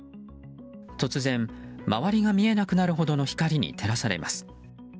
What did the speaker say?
突然、周りが見えなくなるほどの光に照らされます。